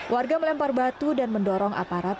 warga melempar batu dan mendorong aparat